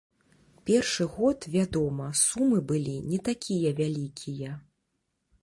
Першы год, вядома, сумы былі не такія вялікія.